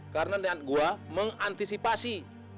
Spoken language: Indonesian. karena dengan gua mengantisipasi